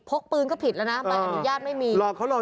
กปืนก็ผิดแล้วนะใบอนุญาตไม่มี